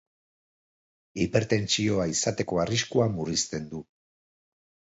Hipertentsioa izateko arriskua murrizten du.